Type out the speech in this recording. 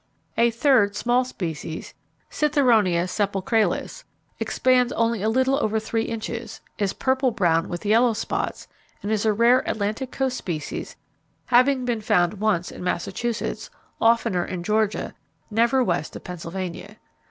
A third small species, Citheronia sepulcralis, expands only a little over three inches, is purple brown with yellow spots; and is a rare Atlantic Coast species having been found once in Massachusetts, oftener in Georgia, never west of Pennsylvania.